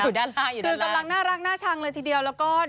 คือกำลังน่ารักน่าชังเลยทีเดียวแล้วก็